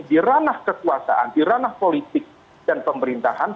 di ranah kekuasaan di ranah politik dan pemerintahan